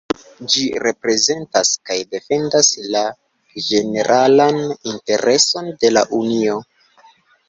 Ĝi reprezentas kaj defendas la ĝeneralan intereson de la Unio.